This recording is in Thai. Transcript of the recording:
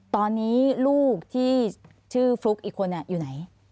ตอนนี้ลูกที่ชื่อฟลุ๊กอีกคนอยู่ไหน